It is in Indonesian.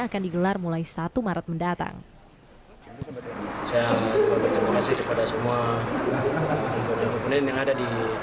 akan digelar mulai satu maret mendatang saya berterima kasih kepada semua komponen yang ada di